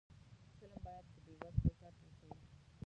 فلم باید د بې وزلو درد وښيي